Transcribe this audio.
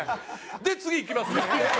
で次いきますね。